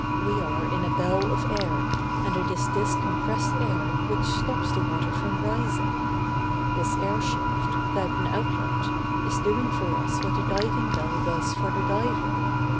We are in a bell of air, and it is this compressed air which stops the water from rising. This airshaft, without an outlet, is doing for us what the diving bell does for the diver.